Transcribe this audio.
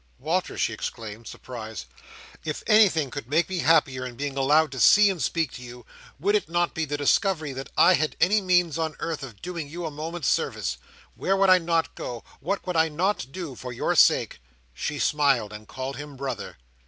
—" "Walter!" she exclaimed, surprised. "—If anything could make me happier in being allowed to see and speak to you, would it not be the discovery that I had any means on earth of doing you a moment's service! Where would I not go, what would I not do, for your sake?" She smiled, and called him brother.